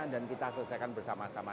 dan kita selesaikan bersama sama